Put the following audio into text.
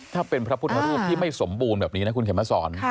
ถ้าเป็นพระพุทธรูปที่ไม่สมบูรณ์แบบนี้นะคุณเข็มมาสอน